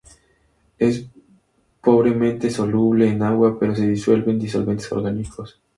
Es pobremente soluble en agua pero se disuelve en disolventes orgánicos.